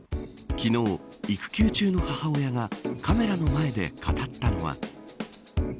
昨日、育休中の母親がカメラの前で語ったのは。